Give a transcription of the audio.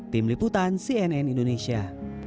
tim liputan cnn indonesia